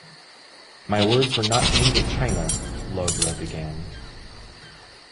"My words were not aimed at China," Llodra began.